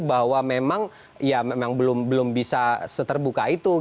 bahwa memang belum bisa seterbuka itu